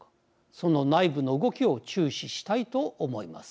その内部の動きを注視したいと思います。